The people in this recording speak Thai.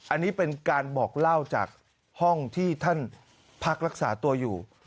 อันนี้เป็นการบอกเล่าจากห้องที่ท่านพักรักษาตัวอยู่